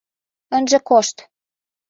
Ынже кошт!